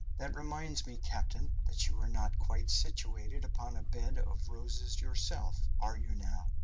That reminds me, captain, that you are not quite situated upon a bed of roses yourself, are you now?